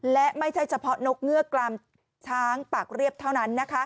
และไม่ใช่เฉพาะนกเงือกกลามช้างปากเรียบเท่านั้น